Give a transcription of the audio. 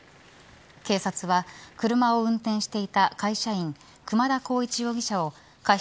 警察は車を運転していた会社員熊田幸一容疑者を過失